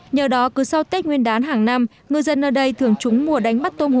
nhờ đó cứ sau tết nguyên đán hàng năm ngư dân ở đây thường trúng mùa đánh bắt tôm hù